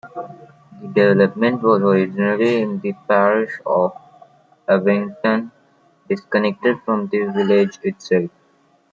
The development was originally in the parish of Evington, disconnected from the village itself.